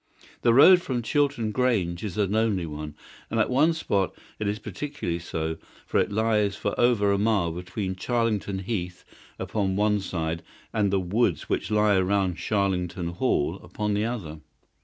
The road from Chiltern Grange is a lonely one, and at one spot it is particularly so, for it lies for over a mile between Charlington Heath upon one side and the woods which lie round Charlington Hall upon the other.